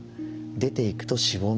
出ていくとしぼむ。